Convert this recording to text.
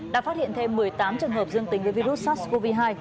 đã phát hiện thêm một mươi tám trường hợp dương tính với virus sars cov hai